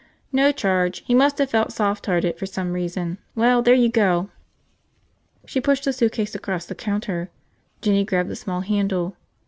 "No charge. He must of felt softhearted, for some reason. Well, there you go." She pushed the suitcase across the counter. Jinny grabbed the small handle.